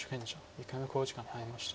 １回目の考慮時間に入りました。